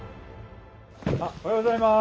おはようございます。